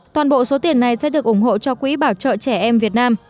toàn bộ số tiền này sẽ được ủng hộ cho quỹ bảo trợ trẻ em việt nam